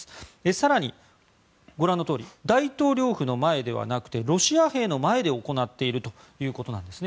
更に、ご覧のとおり大統領府の前ではなくてロシア兵の前で行っているということなんですね。